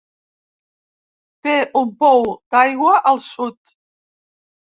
Té un pou d'aigua al sud.